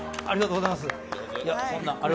ありがとうございます。